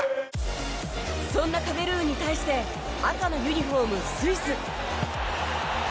そんなカメルーンに対して赤のユニホーム、スイス。